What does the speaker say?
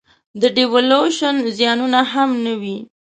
د devaluation زیانونه هم نه وي.